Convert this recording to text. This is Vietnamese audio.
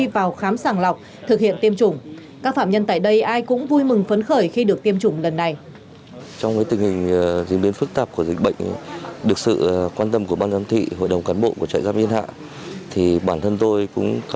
pháp luật đã quy định rất rõ các hành vi đuôi xe chế phép